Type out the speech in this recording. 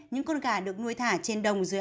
những con gà được nuôi thả trên đồng dưới